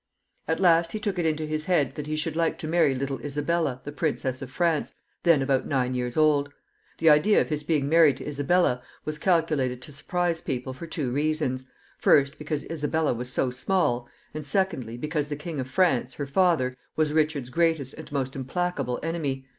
At last he took it into his head that he should like to marry little Isabella, the Princess of France, then about nine years old. The idea of his being married to Isabella was calculated to surprise people for two reasons: first, because Isabella was so small, and, secondly, because the King of France, her father, was Richard's greatest and most implacable enemy.